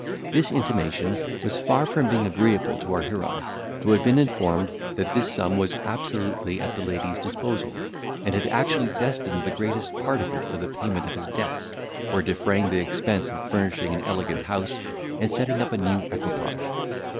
This intimation was far from being agreeable to our hero, who had been informed, that this sum was absolutely at the lady's disposal, and had actually destined the greatest part of it for the payment of his debts, for defraying the expense of furnishing an elegant house, and setting up a new equipage.